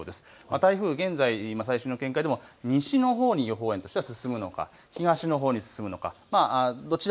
台風、現在最新の見解でも西のほうに予報円としては進むのか、東のほうに進むのか